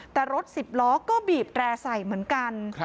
แต่รถ๑๐ล้อก็บีบแตร่ใส่เหมือนกัน